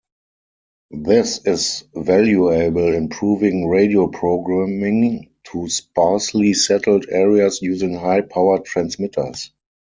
This is valuable in proving radio programming to sparsely settled areas using high-powered transmitters.